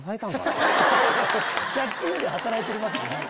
借金で働いてるわけじゃない。